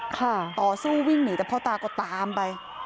ต่อสู้วิ่งหนีแต่พ่อตาก็ตามไป